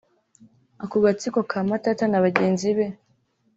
Ako gatsiko ka Matata na bagenzi be